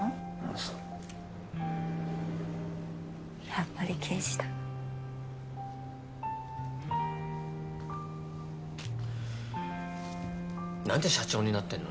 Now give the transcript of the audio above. そうやっぱり刑事だ何で社長になってんの？